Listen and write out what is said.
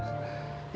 saya atau bapak bapak